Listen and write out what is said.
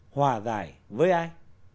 hòa giải với ai